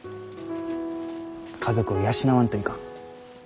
家族を養わんといかん。